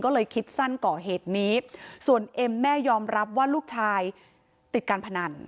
ก็เลยคิดสั้นก่อเหตุนี้ส่วนเอ็มแม่ยอมรับว่าลูกชายติดการพนัน